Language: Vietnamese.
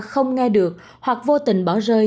không nghe được hoặc vô tình bỏ rơi